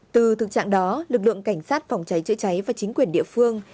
từ thực trạng đó lực lượng cảnh sát phòng cháy chữa cháy và chính quyền địa phương